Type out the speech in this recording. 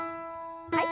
はい。